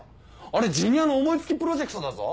あれジュニアの思い付きプロジェクトだぞ。